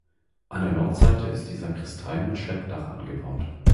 An der Nordseite ist die Sakristei mit Schleppdach angebaut.